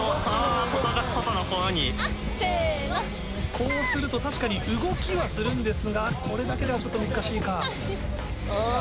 こうすると確かに動きはするんですがこれだけではちょっと難しいか。